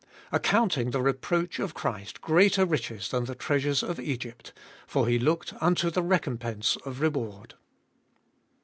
Accounting the reproach of Christ greater riches than the treasures of Egypt ; for he looked unto the recompense of reward.